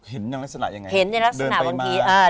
เห็นลักษณะยังไงเดินไปมา